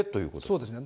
そうですね。